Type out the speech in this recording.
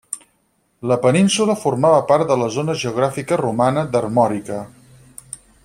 La península formava part de la zona geogràfica romana d'Armòrica.